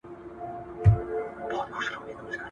بزه په خپل ښکر نه درنېږي.